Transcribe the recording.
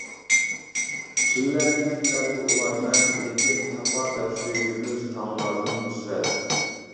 تۈنلەرنى كۈنلەرگە ئۇلايمەن، لېكىن تاپار دەپ سۆيگۈمىز تاڭلاردىن نۇسرەت.